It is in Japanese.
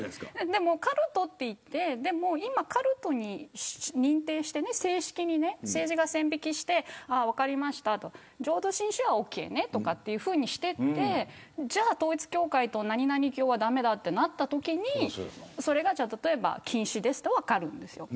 でもカルトといってでも今、カルトに認定して正式に政治が線引きして分かりましたと浄土真宗は、オーケーねとかというふうにしていってじゃあ統一教会と何何教は駄目だとなったときに例えば禁止ですと分かるんです。